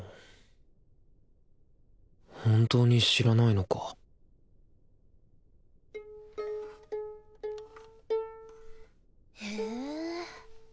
本当に知らないのかへぇあんた